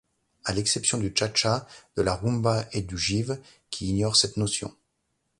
À l'exception du cha-cha, de la rumba et du jive qui ignorent cette notion.